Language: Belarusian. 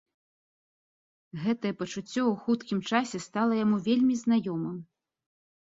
Гэтае пачуццё ў хуткім часе стала яму вельмі знаёмым.